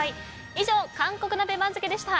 以上、韓国鍋番付でした。